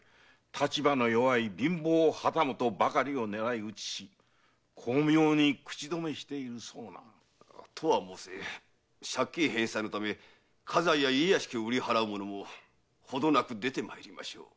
立場の弱い貧乏旗本を狙い撃ちし巧妙に口止めしているそうな。とは申せ借金返済のため家財や家屋敷を売り払う者もほどなく出て参りましょう。